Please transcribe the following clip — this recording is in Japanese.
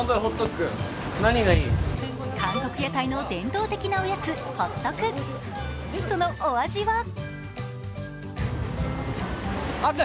韓国屋台の伝統的なおやつ、ホットク。